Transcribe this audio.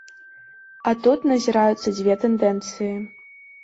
А тут назіраюцца дзве тэндэнцыі.